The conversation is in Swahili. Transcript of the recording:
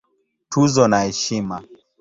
Tuzo na Heshima